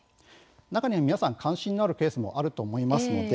中には皆さん関心のあるケースもあると思います。